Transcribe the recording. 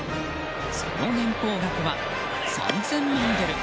その年俸額は、３０００万ドル。